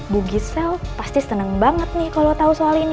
bu gisel pasti senang banget nih kalau tahu soal ini